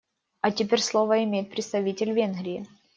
А теперь слово имеет представитель Венгрии.